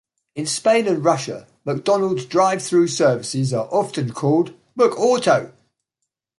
In Spain and Russia, McDonald's drive-through services are often called "McAuto".